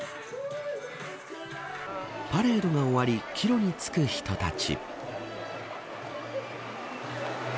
パレードが終わり帰路に着く人たち。